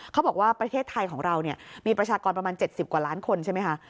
เขาบอกว่าประเทศไทยของเรามีประชากรประมาณ๗๐กว่าล้านคนใช่ไหมคะ